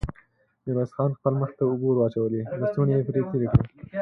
ميرويس خان خپل مخ ته اوبه ور واچولې، لستوڼۍ يې پرې تېر کړ.